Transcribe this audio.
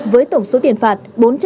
với tổng số tiền phạt